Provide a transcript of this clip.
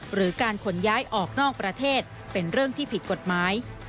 หรือการขนย้ายออกนอกประเทศเป็นเรื่องที่ผิดกฎหมาย